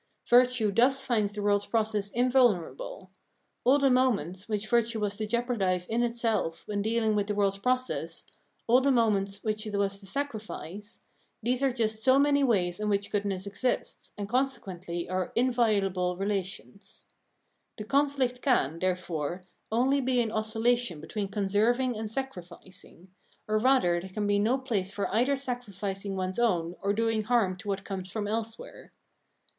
Virtue thus finds the world's process invulnerable. All the moments which virtue was to jeopardise in itself Virtue and the Course of the World 375 when dealing with the world's process, all the moments which it was to sacrifice — these are just so many ways in which goodness exists, and consequently are inviolable relations. The conflict can, therefore, only be an oscillation between conserving and sacrificing ; or rather there can be no place for either sacrificing one's own or doing harm to what comes from elsewhere.